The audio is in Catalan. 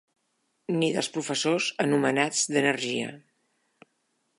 ...ni dels professors anomenats d'energia